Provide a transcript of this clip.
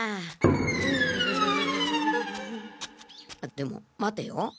でも待てよ。